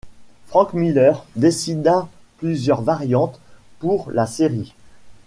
Frank Miller dessina plusieurs variantes pour la série.